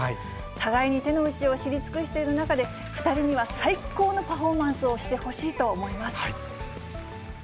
互いに手の内を知り尽くしている中で、２人には最高のパフォーマンスをしてほしいと思います。